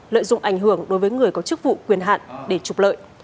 lợi dụng ảnh hưởng đối với người có chức vụ quyền hạn để trục lợi